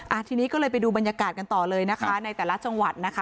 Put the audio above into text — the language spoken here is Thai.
ทีนี้ก็เลยไปดูบรรยากาศกันต่อเลยนะคะในแต่ละจังหวัดนะคะ